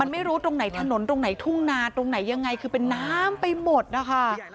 ไม่รู้ตรงไหนถนนตรงไหนทุ่งนาตรงไหนยังไงคือเป็นน้ำไปหมดนะคะ